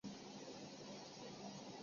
烤羊肉吃到饱